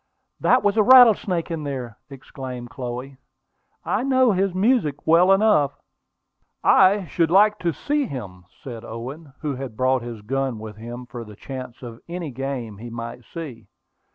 "That was a rattlesnake in there!" exclaimed Chloe. "I know his music well enough." "I should like to see him," said Owen, who had brought his gun with him for the chance of any game he might see.